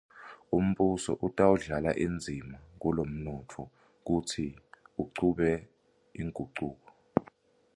Umbuso utawudlala indzima kulomnotfo kutsi uchube tingucuko.